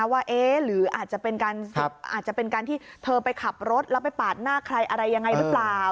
ว่าหรืออาจจะเป็นการที่เธอไปขับรถแล้วไปปาดหน้าใครอะไรยังไงหรือเปล่า